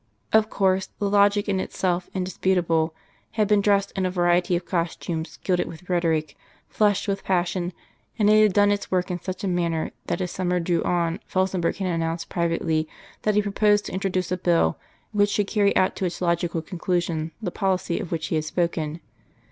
Of course, the logic, in itself indisputable, had been dressed in a variety of costumes gilded with rhetoric, flushed with passion, and it had done its work in such a manner that as summer drew on Felsenburgh had announced privately that he proposed to introduce a bill which should carry out to its logical conclusion the policy of which he had spoken.